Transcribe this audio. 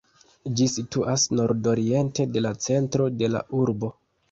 Ĝi situas nordoriente de la centro de la urbo.